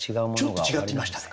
ちょっと違ってましたね。